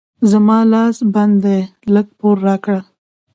زما لاس بند دی؛ لږ پور راکړه.